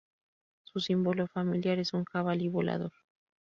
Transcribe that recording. Su símbolo familiar es un jabalí volador.